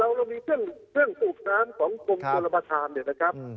เรามีเครื่องตูบแบบน้ำตามกลมสุรภาพนะครับ